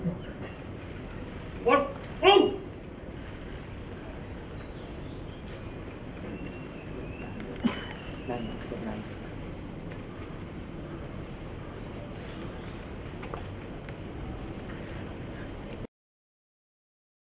โปรดติดตามตอนต่อไป